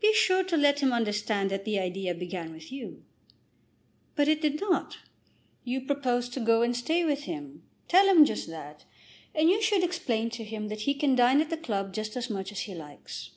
Be sure to let him understand that the idea began with you." "But it did not." "You proposed to go and stay with him. Tell him just that. And you should explain to him that he can dine at the club just as much as he likes.